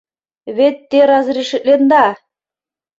Вет те разрешитленда!